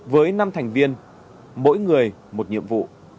với năm thành viên mỗi người một nhiệm vụ